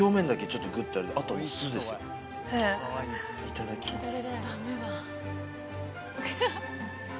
いただきます。